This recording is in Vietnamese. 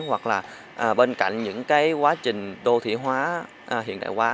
hoặc là bên cạnh những cái quá trình đô thị hóa hiện đại hóa